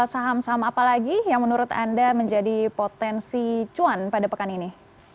saham saham apa lagi yang menurut anda menjadi potensi cuan pada pekan ini